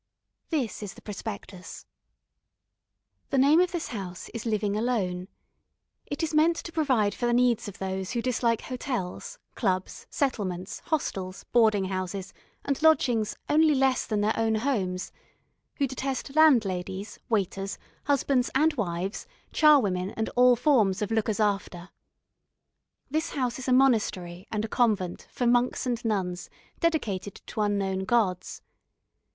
This is the prospectus: The name of this house is Living Alone. It is meant to provide for the needs of those who dislike hotels, clubs, settlements, hostels, boarding houses, and lodgings only less than their own homes; who detest landladies, waiters, husbands and wives, charwomen, and all forms of lookers after. This house is a monastery and a convent for monks and nuns dedicated to unknown gods.